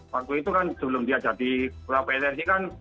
waktu itu kan sebelum dia jadi ketua pssi kan